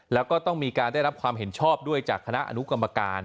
แล้วก็ต้องมีการได้รับความเห็นชอบด้วยจากคณะอนุกรรมการ